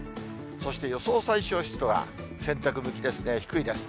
そして予想最小湿度は、洗濯向きですね、低いです。